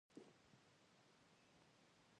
تعلیم یافته کسان ډیر د اعتماد وړ ګڼل کېږي.